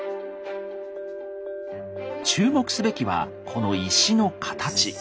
注目すべきはこの石の形。